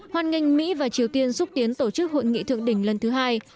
hoan nghênh mỹ và triều tiên xúc tiến tổ chức hội nghị thượng đỉnh lần thứ hai